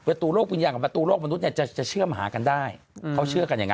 ตัวโลกวิญญาณของประตูโลกมนุษย์เนี่ยจะจะเชื่อมหากันได้เขาเชื่อกันอย่างนั้น